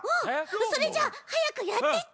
それじゃあはやくやってち。